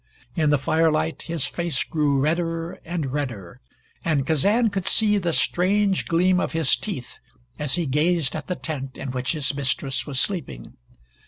In the firelight his face grew redder and redder, and Kazan could see the strange gleam of his teeth as he gazed at the tent in which his mistress was sleeping.